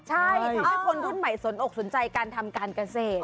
ใช่จะให้คนรุ่นใหม่สนอกสนใจการทำการกระเศษ